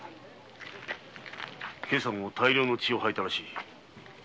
今朝も大量の血を吐いたらしい。